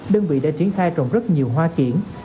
đơn vị đã triển khai trồng rất nhiều hoa kiển